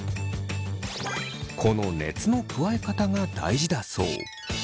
この熱の加え方が大事だそう。